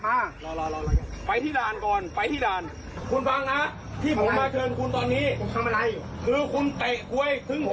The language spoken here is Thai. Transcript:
ไปไปเลย